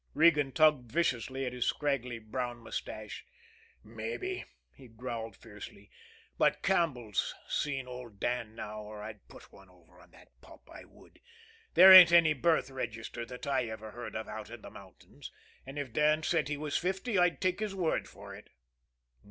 Regan tugged viciously at his scraggly brown mustache. "Mabbe," he growled fiercely; "but Campbell's seen old Dan now, or I'd put one over on the pup I would that! There ain't any birth register that I ever heard of out here in the mountains, and if Dan said he was fifty I'd take his word for it."